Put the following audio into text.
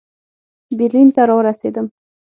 برلین ته را ورسېدم.